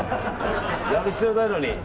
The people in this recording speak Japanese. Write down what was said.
やる必要ないのに。